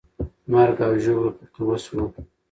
مرګ او ژوبله پکې وسوه.